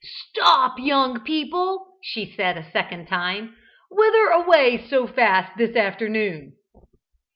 "Stop, young people!" she said a second time; "whither away so fast this afternoon?"